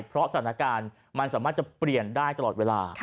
เพราะสถานการณ์มันสามารถจะเปลี่ยนได้ตลอดเวลา